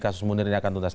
kasus mundur ini akan tuntas